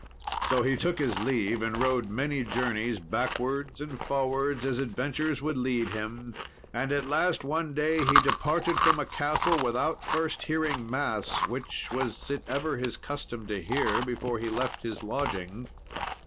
So he took his leave, and rode many journeys backwards and forwards as adventure would lead him; and at last one day he departed from a castle without first hearing mass, which was it ever his custom to hear before he left his lodging.